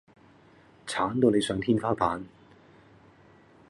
鏟到你上天花板